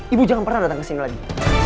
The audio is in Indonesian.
ibu jangan pernah datang kesini lagi